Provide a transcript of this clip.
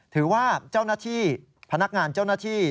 ถือว่าเจ้าหน้าที่พนักงานเจ้าหน้าที่